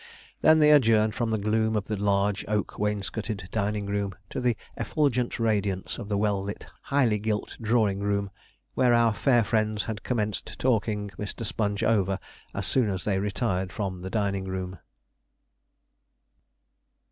They then adjourned from the gloom of the large oak wainscoted dining room, to the effulgent radiance of the well lit, highly gilt, drawing room, where our fair friends had commenced talking Mr. Sponge over as soon as they retired from the dining room.